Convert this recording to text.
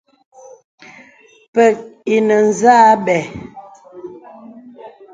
Pə̀k ǐ nə̀ zâ bə̀.